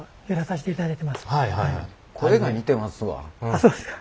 あっそうですか。